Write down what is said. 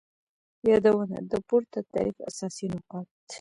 یادونه : د پورته تعریف اساسی نقاط